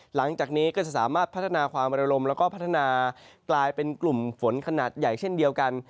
หลังจากนี้ก็จะสามารถพัฒนาความระลมแล้วก็พัฒนากลายเป็นกลุ่มฝนขนาดใหญ่เช่นเดียวกัน